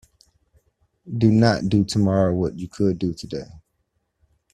Do not do tomorrow what you could do today.